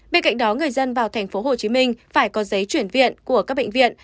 bên cạnh đó người dân vào tp hcm phải có giấy chuyển viện của các bệnh viện